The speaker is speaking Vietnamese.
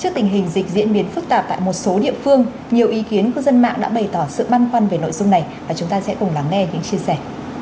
trước tình hình dịch diễn biến phức tạp tại một số địa phương nhiều ý kiến cư dân mạng đã bày tỏ sự băn khoăn về nội dung này và chúng ta sẽ cùng lắng nghe những chia sẻ